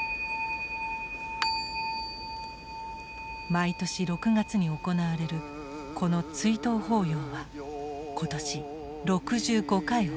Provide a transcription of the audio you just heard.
毎年６月に行われるこの追悼法要は今年６５回を数える。